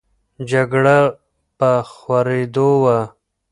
جګړه په خورېدو وه.